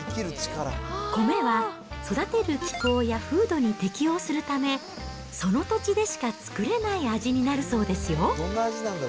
米は育てる気候や風土に適応するため、その土地でしか作れない味になるそうですよ。